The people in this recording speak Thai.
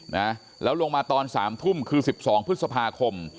นะแล้วลงมาตอนสามทุ่มคือสิบสองพฤษภาคม